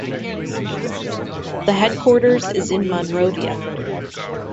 The headquarters is in Monrovia.